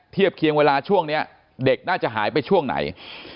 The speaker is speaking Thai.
เทียบเคียงเวลาช่วงนี้เด็กน่าจะหายไปช่วงไหน